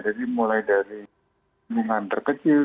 jadi mulai dari lingkungan terkecil